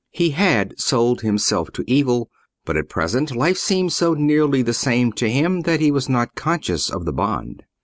He had sold himself to evil, but at present life seemed so nearly the same to him that he was not conscious of the bond.